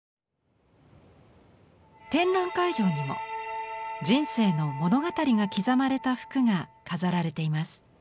展覧会場にも人生の物語が刻まれた服が飾られています。